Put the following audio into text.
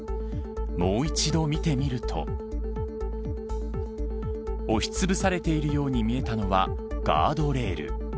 もう一度見てみると押しつぶされているように見えたのはガードレール。